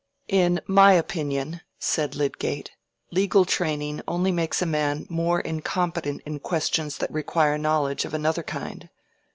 "In my opinion," said Lydgate, "legal training only makes a man more incompetent in questions that require knowledge of another kind.